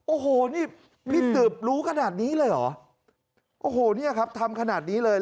โอ้โหนี่นี่สืบรู้ขนาดนี้เลยเหรอโอ้โหเนี่ยครับทำขนาดนี้เลย